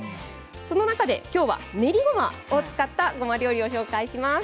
その中で今日は練りごまを使った料理をご紹介します。